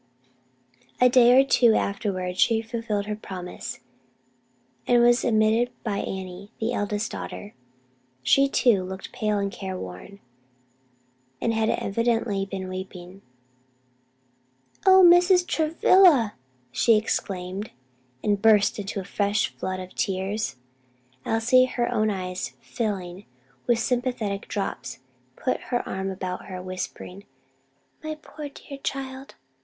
A day or two afterward she fulfilled her promise, and was admitted by Annie, the eldest daughter. She, too, looked pale and careworn, and had evidently been weeping. "O, Mrs. Travilla!" she exclaimed, and burst into a fresh flood of tears. Elsie, her own eyes filling with sympathetic drops, put her arm about her, whispering, "My poor dear child!